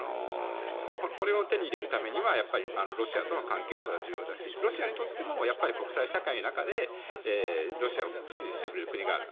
これを手に入れるためにはロシアとの関係性が重要だしロシアにとってもやっぱり国際社会の中でロシアを支持してくれる国がある。